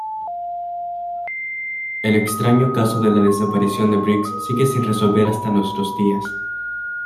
El extraño caso de la desaparición de Briggs sigue sin resolver hasta nuestros días.